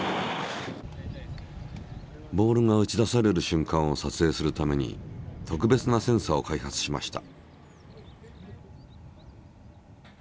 ボールが打ち出されるしゅんかんをさつえいするために特別なセンサーを開発しました。